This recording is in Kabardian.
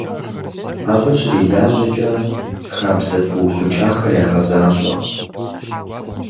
Абы щрилажьэкӀэ, хабзэ пыухыкӀахэр ягъэзащӀэ.